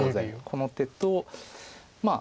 この手とまあ